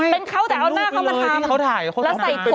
เป็นเขาแต่เอาหน้าเขามาทำ